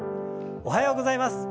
おはようございます。